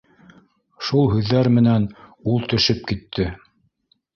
— Шул һүҙҙәр менән ул төшөп китте